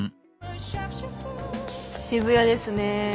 渋谷ですね。